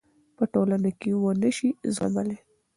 پـه ټـولـنـه کـې ونشـي زغـملـى .